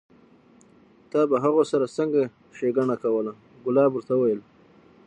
تا به هغو سره څنګه ښېګڼه کوله؟ کلاب ورته وویل: